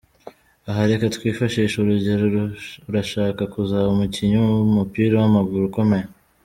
Aha reka twifashishe urugero, urashaka kuzaba umukinnyi w’umupira w’amaguru ukomeye.